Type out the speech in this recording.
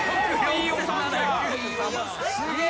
すげえ！